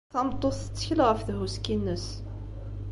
Tameṭṭut tettkel ɣef thuski-nnes.